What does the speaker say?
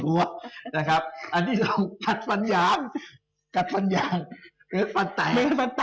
อันนี้กัดฟันยางหรือฟันไต